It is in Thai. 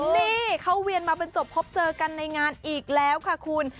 นี่เขาเวียนมาบรรจบพบเจอกันในงานอีกแล้วค่ะคุณ